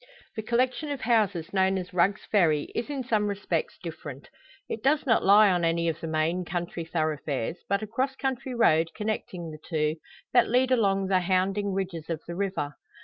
The collection of houses known as Rugg's Ferry is in some respects different. It does not lie on any of the main county thoroughfares, but a cross country road connecting the two, that lead along the hounding ridges of the river.